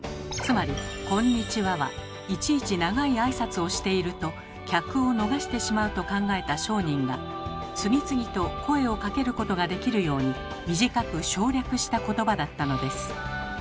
つまり「こんにちは」はいちいち長い挨拶をしていると客を逃してしまうと考えた商人が次々と声をかけることができるように短く省略したことばだったのです。